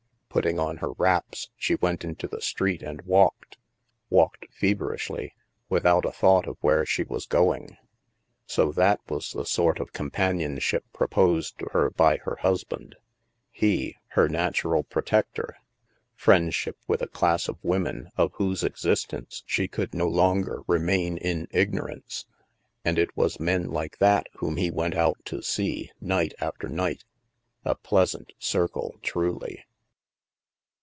Putting on her wraps, she went into the street, and walked — walked fev erishly, without a thought of where she was going. 142 THE MASK So that was the sort of companionship proposed to her by her husband. He, her natural protector! Friendship with a class of women of whose exis tence she could no longer remain in ignorance! And it was men like that whom he went out to see, night after night ! A pleasant circle, truly